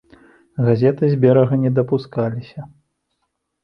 Газеты з берага не дапускаліся.